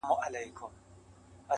پر کاله ټول امتحان راسي مگر،